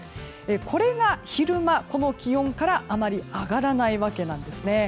これが昼間、この気温からあまり上がらないんですね。